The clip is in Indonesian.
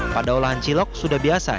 pada olahan cilok sudah biasa